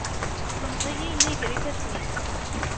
Teẓmeḍ -iyi yelli ger ifassen-is.